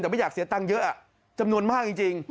แต่ไม่อยากเสียตังค์เยอะจำนวนมากจริง